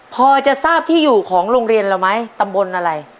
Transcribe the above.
พอจะทราบที่อยู่ของโรงเรียนเราไหมตำบลอะไร